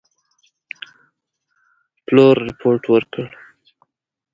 پلور رپوټ ورکړ.